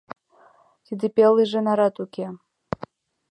Тиде пелыже нарат уке.